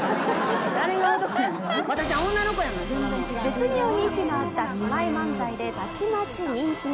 「絶妙に息の合った姉妹漫才でたちまち人気に」